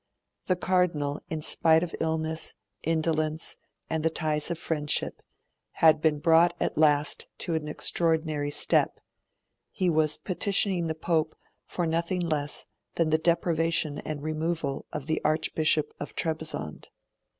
The Cardinal, in spite of illness, indolence, and the ties of friendship, had been brought at last to an extraordinary step he was petitioning the Pope for nothing less than the deprivation and removal of the Archbishop of Trebizond.